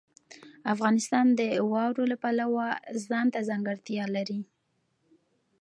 افغانستان د واوره د پلوه ځانته ځانګړتیا لري.